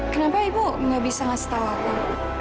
kenapa ibu nggak bisa ngasih tahu aku